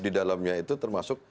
di dalamnya itu termasuk